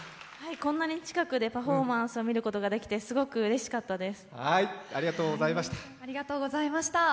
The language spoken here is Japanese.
こんなに近くでパフォーマンスを見ることができて、すごくうれしかったです。